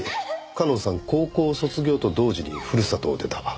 夏音さん高校を卒業と同時にふるさとを出た。